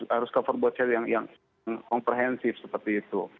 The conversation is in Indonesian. harus cover both sides yang komprehensif seperti itu